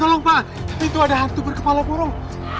tolong pak itu ada hantu berkepala burung